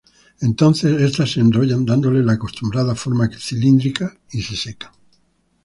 Entonces estas se enrollan, dándoles la acostumbrada forma cilíndrica, y se secan.